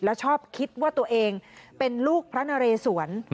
แล้วชอบคิดว่าตัวเองเป็นลูกพระนเรสวน